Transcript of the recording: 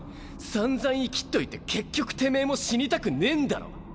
さんざんイキっといて結局てめぇも死にたくねぇんだろ。